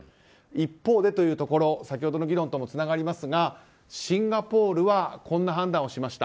一方でというところ先ほどの議論ともつながりますがシンガポールはこんな判断をしました。